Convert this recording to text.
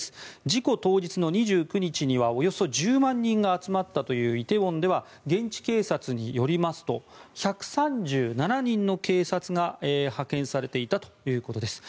事故当日の２９日にはおよそ１０万人が集まったという梨泰院では現地警察によりますと１３７人の警察が派遣されていたということです。